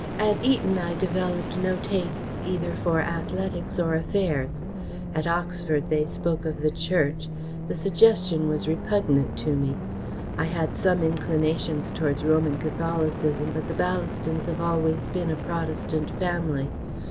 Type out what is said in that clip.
"At Eton I developed no tastes either for athletics or affairs. At Oxford they spoke of the Church. The suggestion was repugnant to me. I had some inclinations towards Roman Catholicism, but the Ballastons have always been a Protestant family.